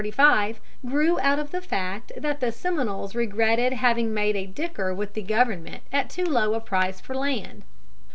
] The Florida War (1835) grew out of the fact that the Seminoles regretted having made a dicker with the government at too low a price for land.